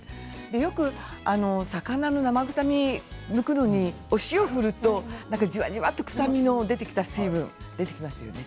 よく魚の生臭みを抜くのにお塩を振るとじわじわと臭みが出てきた成分出てきますね。